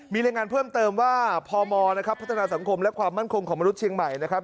มีรายงานเพิ่มเติมว่าพมนะครับพัฒนาสังคมและความมั่นคงของมนุษย์เชียงใหม่นะครับ